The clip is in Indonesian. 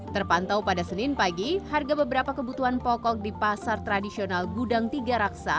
terpantau pada senin pagi harga beberapa kebutuhan pokok di pasar tradisional gudang tiga raksa